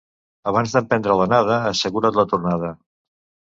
Abans d'emprendre l'anada, assegura't la tornada.